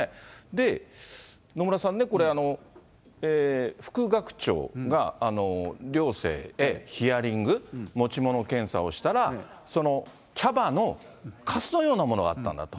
で、野村さんね、副学長が寮生へヒアリング、持ち物検査をしたら、その茶葉のかすのようなものがあったんだと。